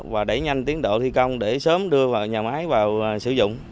và đẩy nhanh tiến độ thi công để sớm đưa vào nhà máy vào sử dụng